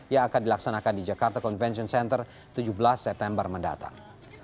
yang akan dilaksanakan di jakarta convention center tujuh belas september mendatang